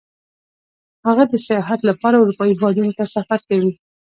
هغه د سیاحت لپاره اروپايي هېوادونو ته سفر کوي